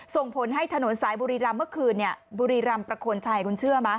ส่งผลให้ถนนสายบุรีรัมธ์เมื่อคืนเนี่ยบุรีรัมธ์ประควณชายคุณเชื่อป่ะ